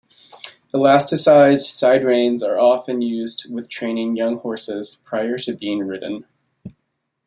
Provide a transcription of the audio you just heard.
Elasticized side reins are often used with training young horses prior to being ridden.